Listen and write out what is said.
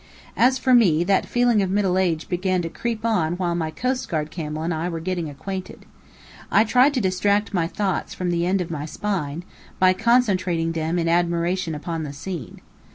As for me, that feeling of middle age began to creep on while my coast guard camel and I were getting acquainted. I tried to distract my thoughts from the end of my spine, by concentrating them in admiration upon the scene.